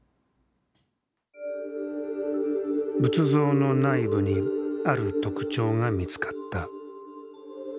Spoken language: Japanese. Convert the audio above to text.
仏像の内部にある特徴が見つかった。